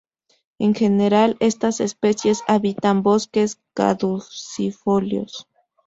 En general, estas especies habitan bosques caducifolios.